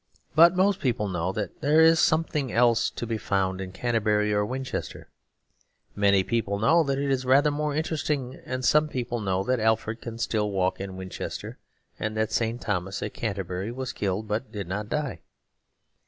But most people know that there is something else to be found in Canterbury or Winchester; many people know that it is rather more interesting; and some people know that Alfred can still walk in Winchester and that St. Thomas at Canterbury was killed but did not die.